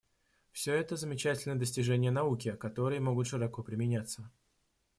Все это — замечательные достижения науки, которые могут широко применяться.